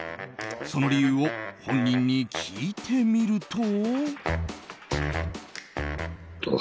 その理由を本人に聞いてみると。